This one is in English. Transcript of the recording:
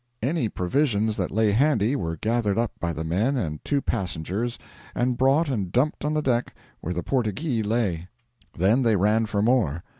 Any provisions that lay handy were gathered up by the men and two passengers and brought and dumped on the deck where the 'Portyghee' lay; then they ran for more.